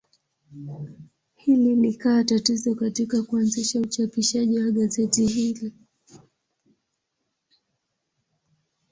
Hili likawa tatizo katika kuanzisha uchapishaji wa gazeti hili.